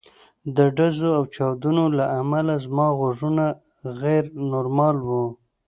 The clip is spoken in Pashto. د ډزو او چاودنو له امله زما غوږونه غیر نورمال وو